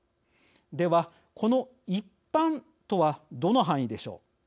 では、この一般とはどの範囲でしょう。